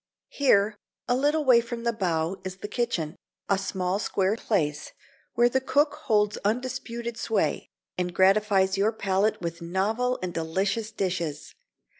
Here, a little way from the bow, is the kitchen a small square place, where the cook holds undisputed sway, and gratifies your palate with novel and delicious dishes.